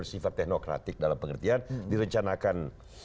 sifat teknokratik dalam pengertian direncanakan